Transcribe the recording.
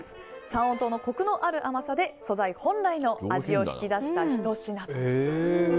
三温糖のコクのある甘さで素材本来の味を引き出したひと品と。